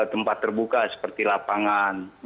tempat terbuka seperti lapangan